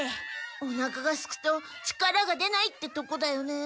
おなかがすくと力が出ないってとこだよね。